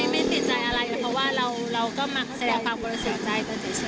ไม่ติดใจอะไรเพราะว่าเราก็มาแสดงความบริสุทธิ์ใจกันเฉย